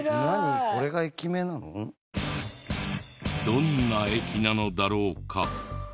どんな駅なのだろうか？